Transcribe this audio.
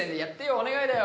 お願いだよ。